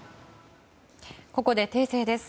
ここで訂正です。